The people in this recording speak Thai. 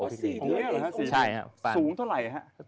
อ๋อ๔เดือนเหรอครับสูงเท่าไหร่ฮะ